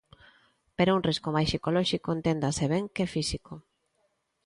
Pero un risco máis psicolóxico, enténdase ben, que físico.